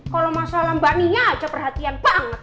kalau masalah mbak nia aja perhatian banget